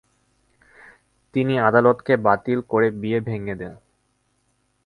তিনি আদালতকে বাতিল করে বিয়ে ভেঙ্গে দেন।